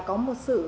có một sự